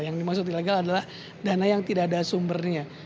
yang dimaksud ilegal adalah dana yang tidak ada sumbernya